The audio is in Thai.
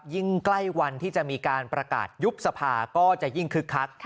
ยิ่งใกล้วันที่จะมีการประกาศยุบสภาก็จะยิ่งคึกคัก